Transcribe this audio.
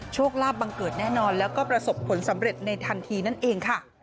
โชคลาภบังเกิดแน่นอนแล้วก็ประสบผลสำเร็จในทันทีนั่นเองค่ะ